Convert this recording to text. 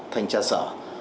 thanh tra sở